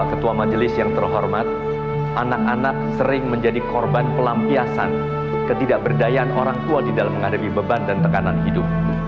ketua majelis yang terhormat anak anak sering menjadi korban pelampiasan ketidakberdayaan orang tua di dalam menghadapi beban dan tekanan hidup